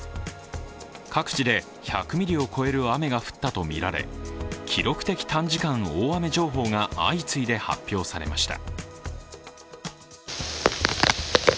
各地で１００ミリを超える雨が降ったとみられ記録的短時間大雨情報が相次いで発表されました。